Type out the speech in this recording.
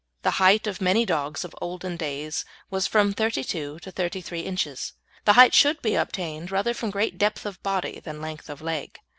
The height of many dogs of olden days was from thirty two to thirty three inches. The height should be obtained rather from great depth of body than length of leg.